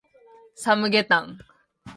サムゲタン